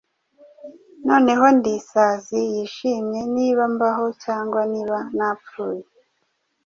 Noneho ndi Isazi yishimye Niba mbaho, Cyangwa niba napfuye.